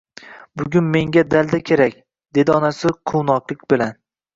Bugun menga dalda kerak, dedi onasi quvnoqlik bilan